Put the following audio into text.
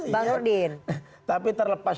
bang urdin tapi terlepas